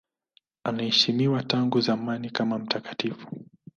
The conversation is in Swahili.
Anaheshimiwa tangu zamani kama mtakatifu.